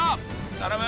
頼む。